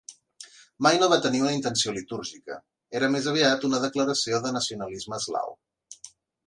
Mai no va tenir una intenció litúrgica; era més aviat una declaració de nacionalisme eslau.